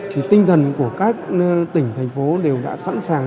thì tinh thần của các tỉnh thành phố đều đã sẵn sàng